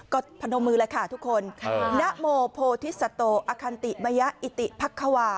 ก็พนมือแล้วค่ะทุกคนค่ะเอ่อน้ำโหมโพธิสัตโตอคันติมยาอิติภัคควา